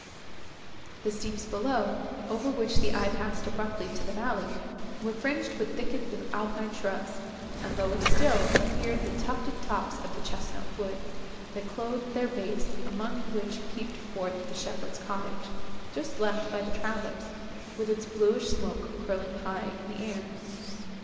The steeps below, over which the eye passed abruptly to the valley, were fringed with thickets of alpine shrubs; and, lower still, appeared the tufted tops of the chesnut woods, that clothed their base, among which peeped forth the shepherd's cottage, just left by the travellers, with its bluish smoke curling high in the air.